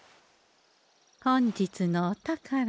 本日のお宝。